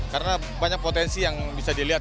karena banyak potensi yang bisa dilihat